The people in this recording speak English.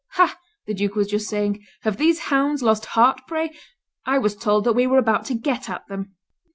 "Ha!" the duke was just saying, "have these hounds lost heart, pray? I was told that we were about to get at them."